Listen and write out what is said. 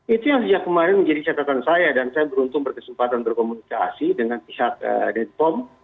itu yang sejak kemarin menjadi catatan saya dan saya beruntung berkesempatan berkomunikasi dengan pihak depom